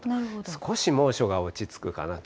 少し猛暑が落ち着くかなと。